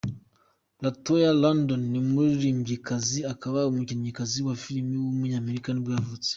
LaToya London, umuririmbyikazi akaba n’umukinnyikazi wa filime w’umunyamerika nibwo yavutse.